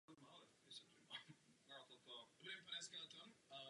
Nepotřebné sídlo poté beze stop zaniklo.